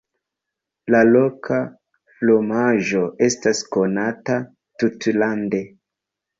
La loka fromaĝo estas konata tutlande.